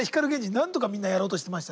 なんとかみんなやろうとしてました。